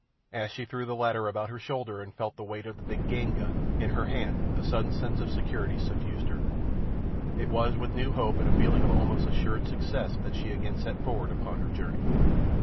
As she threw the latter about her shoulder and felt the weight of the big game gun in her hand a sudden sense of security suffused her. It was with new hope and a feeling almost of assured success that she again set forward upon her journey.